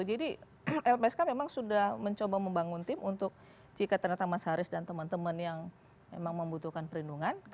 jadi lpsk memang sudah mencoba membangun tim untuk jika ternyata mas haris dan teman teman yang memang membutuhkan perlindungan